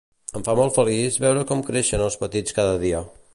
Em fa molt feliç veure com creixen els petits cada dia.